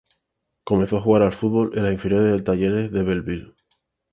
Comenzó a jugar al fútbol en las inferiores de Talleres de Bell Ville.